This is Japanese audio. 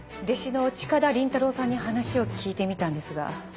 弟子の近田凛太郎さんに話を聞いてみたんですが。